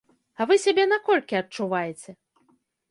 А вы сябе на колькі адчуваеце?